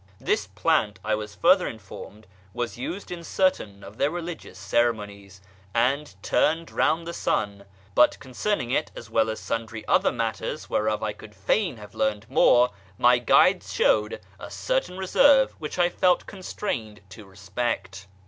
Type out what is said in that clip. This plant, I was further informed, was used in certain of their religious ceremonies, and " turned round the sun "; but concerning it, as well as sundry other matters whereof I would fain have learned more, my guides showed a certain reserve which I felt constrained to respect.